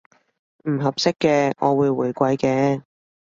唔合適嘅，我會回饋嘅